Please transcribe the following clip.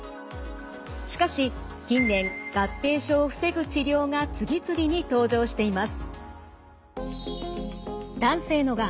しかし近年合併症を防ぐ治療が次々に登場しています。